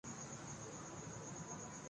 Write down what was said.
تو ایسی سوچ کا پاسدار کون ہو گا؟